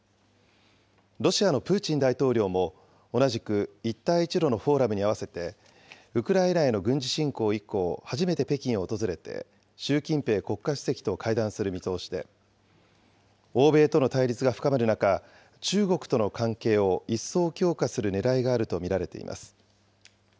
ロシアのプーチン大統領も同じく一帯一路のフォーラムに合わせて、ウクライナへの軍事侵攻以降、初めて北京を訪れて、習近平国家主席と会談する見通しで、欧米との対立が深まる中、中国との関係を一層強化するねらいがあると見られています。